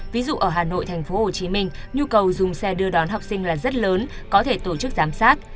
ví dụ ở hà nội tp hcm nhu cầu dùng xe đưa đón học sinh là rất lớn có thể tổ chức giám sát